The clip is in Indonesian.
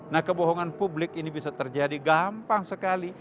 nah kebohongan publik ini bisa terjadi gampang sekali